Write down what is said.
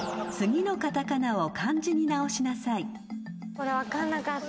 ・これ分かんなかった。